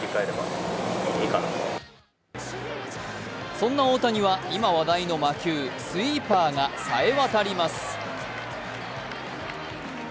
そんな大谷は、今話題の魔球・スイーパーが冴えわたります